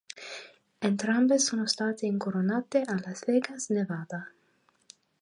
Entrambe sono state incoronate a Las Vegas, Nevada.